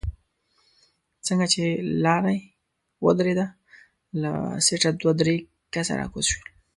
څنګه چې لارۍ ودرېده له سيټه دوه درې کسه راکوز شول.